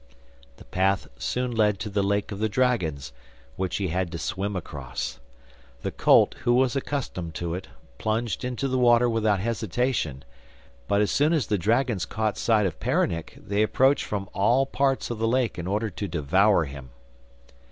The path soon led to the lake of the dragons, which he had to swim across. The colt, who was accustomed to it, plunged into the water without hesitation; but as soon as the dragons caught sight of Peronnik they approached from all parts of the lake in order to devour him.